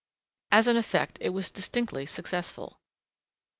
As an effect it was distinctly successful.